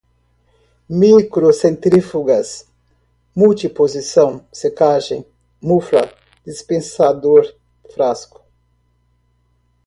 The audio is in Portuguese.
pipetador, macropipetadores, microcentrífugas, multiposição, secagem, mufla, dispensador, frasco reagente